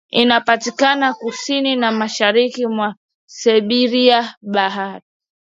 inapatikana kusini na mashariki mwa Siberia Bahari